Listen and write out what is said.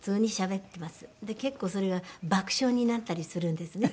で結構それが爆笑になったりするんですね。